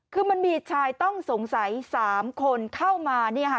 คือมีชายต้องสงสัย๓คนเข้ามาเนี่ยฮะ